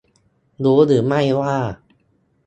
รู้หรือไม่ว่า